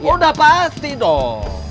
sudah pasti dong